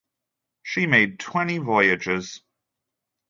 She made twenty voyages.